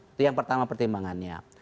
itu yang pertama pertimbangannya